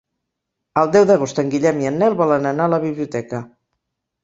El deu d'agost en Guillem i en Nel volen anar a la biblioteca.